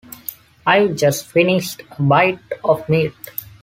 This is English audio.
I've just finished a bite of meat.